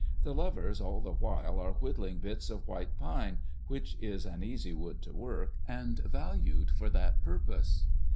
The lovers all the while are whittling bits of white pine, which is an easy wood to work, and valued for that purpose.